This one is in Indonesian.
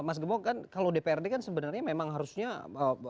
mas gembo kan kalau dprd kan sebenarnya memang harusnya untuk menegakkan itu ya